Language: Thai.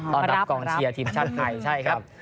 ต้อนรับกองเชียร์ทีมชาติไทยใช่ครับ